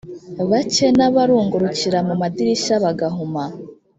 bake n abarungurukira mu madirishya bagahuma